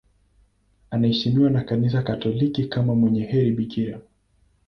Anaheshimiwa na Kanisa Katoliki kama mwenye heri bikira.